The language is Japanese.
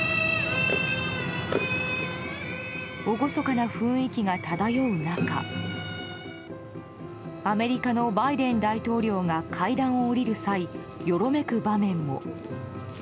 厳かな雰囲気が漂う中アメリカのバイデン大統領が階段を下りる際、よろめく場面も。